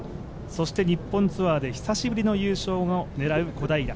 そして日本ツアーで久しぶりの優勝を狙う小平。